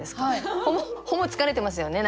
ほぼ疲れてますよね。